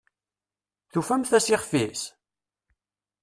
Tufamt-as ixf-is?